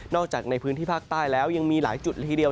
จากในพื้นที่ภาคใต้แล้วยังมีหลายจุดละทีเดียว